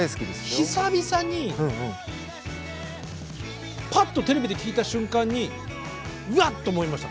久々にぱっとテレビで聴いた瞬間にうわっと思いました